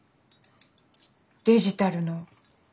デジタルの勉強。